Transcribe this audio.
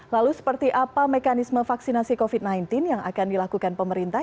lalu seperti apa mekanisme vaksinasi covid sembilan belas yang akan dilakukan pemerintah